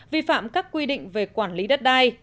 vi phạm các quy định về quản lý đất đai